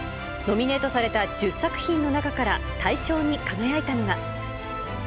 ノミネートされた１０作品の中から大賞に輝いたのが。